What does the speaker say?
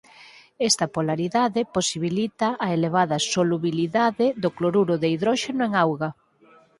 Esta polaridade posibilita a elevada solubilidade do cloruro de hidróxeno en auga.